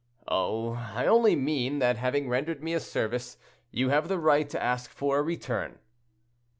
"Oh! I only mean, that having rendered me a service, you have the right to ask for a return."